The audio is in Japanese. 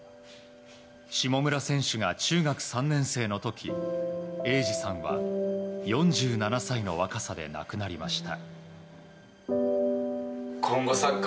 下村選手が中学３年生の時栄司さんは４７歳の若さで亡くなりました。